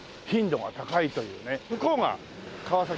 向こうが川崎。